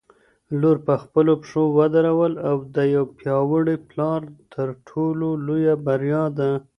لور په خپلو پښو ودرول د یو پیاوړي پلار تر ټولو لویه بریا ده.